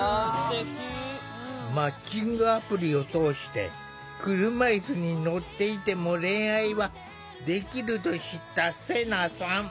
マッチングアプリを通して車いすに乗っていても恋愛はできると知ったセナさん。